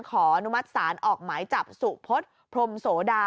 อนุมัติศาลออกหมายจับสุพศพรมโสดา